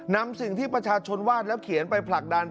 นำสิ่งที่ประชาชนวาดแล้วเขียนไปผลักดัน